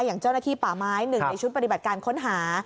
อย่างเจ้าหน้าที่ป่าไม้หนึ่งในชุดปฏิบัติการค้นหา